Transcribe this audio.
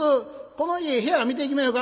この家部屋見ていきまひょか」。